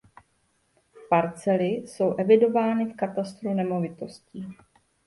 Parcely jsou evidovány v katastru nemovitostí.